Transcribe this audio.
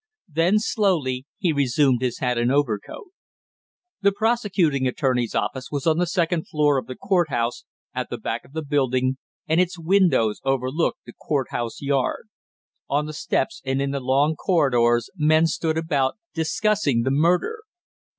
Then slowly he resumed his hat and overcoat. The prosecuting attorney's office was on the second floor of the court house, at the back of the building, and its windows overlooked the court house yard. On the steps and in the long corridors, men stood about, discussing the murder.